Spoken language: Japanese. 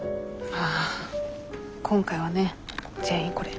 あ今回はね全員これ。